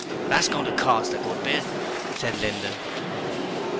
'That's goin' to cost a good bit,' said Linden.